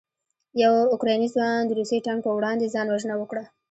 یو اوکراني ځوان د روسي ټانک په وړاندې ځان وژنه وکړه.